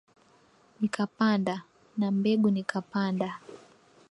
Nikapanda, na mbegu nikapanda.